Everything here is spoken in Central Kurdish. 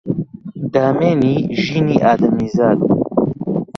دامێنی ژینی ئادەمیزاد